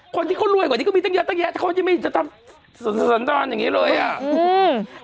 คนที่เขารวยกว่านี้ก็มีตั้งแยกคนที่ไม่จนทำสนตรอนอย่างนี้เลยอ่ะ